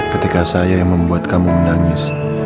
ketika saya yang membuat kamu menangis